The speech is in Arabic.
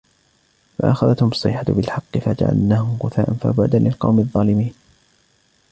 فَأَخَذَتْهُمُ الصَّيْحَةُ بِالْحَقِّ فَجَعَلْنَاهُمْ غُثَاءً فَبُعْدًا لِلْقَوْمِ الظَّالِمِينَ